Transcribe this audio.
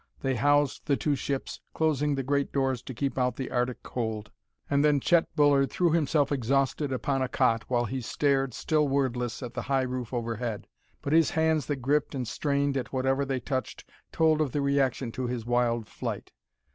They housed the two ships, closing the great doors to keep out the arctic cold; and then Chet Bullard threw himself exhausted upon a cot, while he stared, still wordless, at the high roof overhead. But his hands that gripped and strained at whatever they touched told of the reaction to his wild flight.